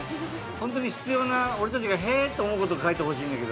ホントに必要な俺たちが「へぇ」と思うこと書いてほしいんだけど。